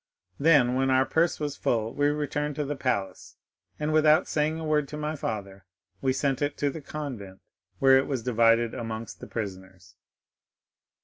Then when our purse was full we returned to the palace, and without saying a word to my father, we sent it to the convent, where it was divided amongst the prisoners."